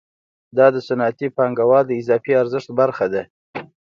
دا د صنعتي پانګوال د اضافي ارزښت برخه ده